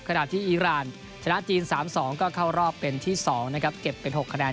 ขณะที่อีรานชนะจีน๓๒ก็เข้ารอบเป็นที่๒นะครับเก็บเป็น๖คะแนน